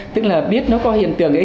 tức là biết nó có hiện tượng ấy